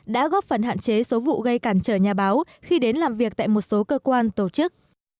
đã góp phần hạn chế số vụ gây cản trở nhà báo khi đến làm việc tại một số cơ quan tổ chức